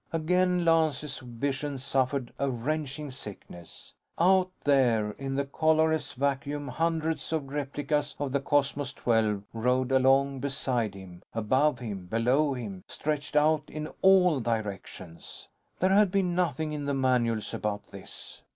Again, Lance's vision suffered a wrenching sickness. Out there in the colorless vacuum, hundreds of replicas of the Cosmos XII rode along beside him, above him, below him, stretched out in all directions. There had been nothing in the manuals about this.